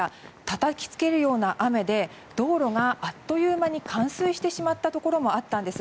たたきつけるような雨で道路があっという間に冠水してしまったところもあったんです。